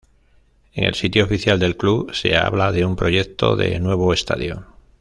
En el sitio oficial del club se habla de un proyecto de "nuevo estadio".